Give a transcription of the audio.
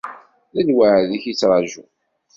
D lweɛd-ik i ttraǧuɣ.